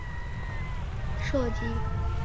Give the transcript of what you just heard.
他现在效力于澳超球队纽卡素喷射机。